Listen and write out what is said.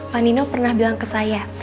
pak nino pernah bilang ke saya